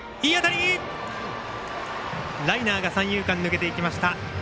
ライナーが三遊間抜けていきました。